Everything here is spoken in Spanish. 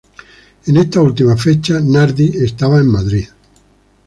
En esta última fecha Nardi estaba en Madrid.